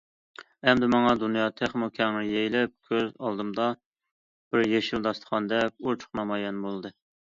ئەمدى ماڭا دۇنيا تېخىمۇ كەڭرى يېيىلىپ كۆز ئالدىمدا بىر يېشىل داستىخاندەك ئوچۇق نامايان بولدى.